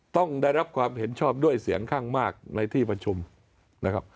ต้องได้รับความเห็นชอบด้วยเสียงข้างมากในที่ประชุมนะครับ